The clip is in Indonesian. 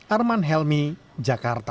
arman helmy jakarta